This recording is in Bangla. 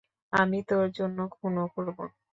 আমি তোর জন্য খুনও করবো।